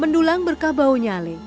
mendulang berkah bau nyale